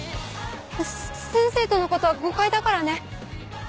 先生とのことは誤解だからね。